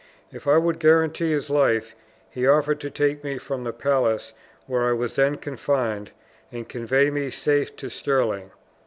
If I would guarantee his life, he offered to take me from the place where I was then confined, and convey me safe to Stirling.